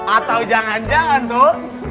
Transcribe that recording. atau jangan jangan dong